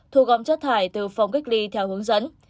thu gom chất thải từ phòng cách ly theo hướng dẫn